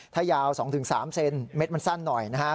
ถ้ายาว๒๓เซนเม็ดมันสั้นหน่อยนะครับ